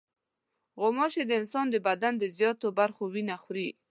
غوماشې د انسان د بدن د زیاتو برخو وینه خوري.